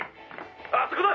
あそこだ！